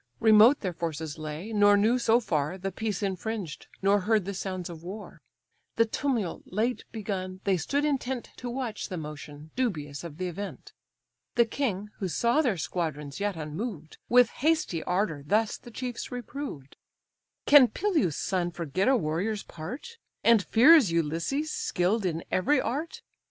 Remote their forces lay, nor knew so far The peace infringed, nor heard the sounds of war; The tumult late begun, they stood intent To watch the motion, dubious of the event. The king, who saw their squadrons yet unmoved, With hasty ardour thus the chiefs reproved: "Can Peleus' son forget a warrior's part. And fears Ulysses, skill'd in every art?